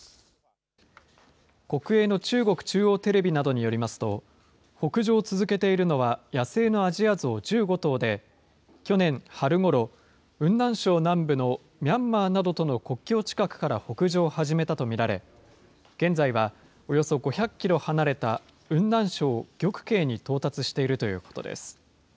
国営の中国中央テレビなどによりますと、北上を続けているのは野生のアジアゾウ１５頭で、去年春頃、雲南省南部のミャンマーなどとの国境近くから北上を始めたと見られ、現在はおよそ５００キロ離れた雲南省玉渓に到達しているということです。